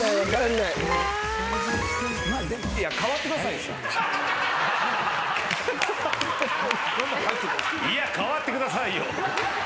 「いやかわってくださいよ」